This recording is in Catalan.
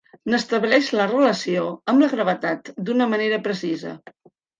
N'estableix la relació amb la gravetat d'una manera precisa.